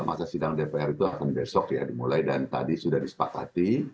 masa sidang dpr itu akan besok ya dimulai dan tadi sudah disepakati